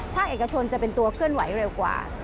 เอกชนจะเป็นตัวเคลื่อนไหวเร็วกว่า